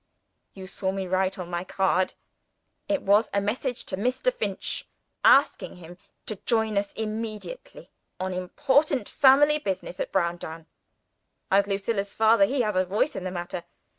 You saw me write on my card. It was a message to Mr. Finch, asking him to join us immediately (on important family business) at Browndown. As Lucilla's father, he has a voice in the matter.